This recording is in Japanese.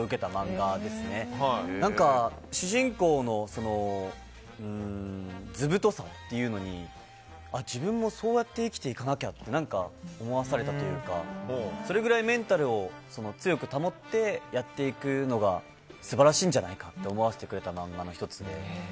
主人公の図太さというのに自分もそうやって生きていかなきゃって思わされたというかそれぐらいメンタルを強く保ってやっていくのが素晴らしいんじゃないかって思わせてくれた漫画の１つで。